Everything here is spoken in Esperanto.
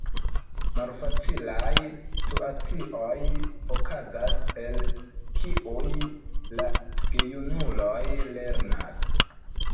Malfacilaj situacioj okazas, el kiuj la gejunuloj lernas.